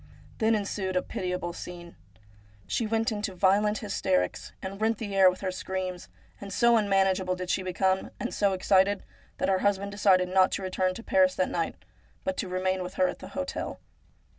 Then ensued a pitiable scene. She went into violent hysterics, and rent the air with her screams, and so un manageable did she become, and so excited, that her husband decided not to return to Paris that night, but to remain with her at the hotel.